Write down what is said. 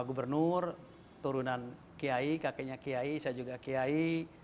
gubernur turunan kiai kakeknya kiai saya juga kiai